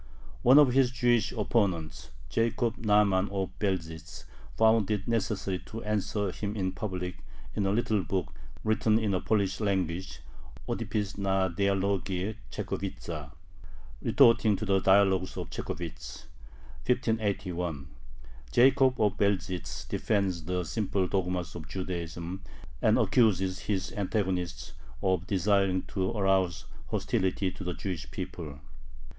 One of his Jewish opponents, Jacob (Nahman) of Belzhytz, found it necessary to answer him in public in a little book written in the Polish language (Odpis na dyalogi Czechowicza, "Retort to the Dialogues of Chekhovich," 1581). Jacob of Belzhytz defends the simple dogmas of Judaism, and accuses his antagonists of desiring to arouse hostility to the Jewish people.